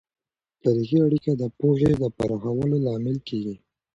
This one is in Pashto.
تاریخي اړیکه د پوهې د پراخولو لامل کیږي.